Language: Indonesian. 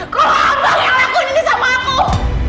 kalau abang yang lakuin ini sama aku